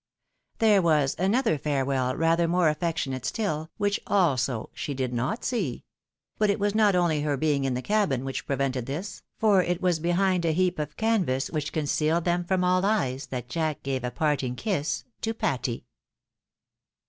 There was another farewell, rather more affectionate still, which also she did not see ; but it was not only her being in the cabin which prevented this, for it was behind a heap of canvas which concealed them from all eyes that Jack gave a parting kiss to Patty.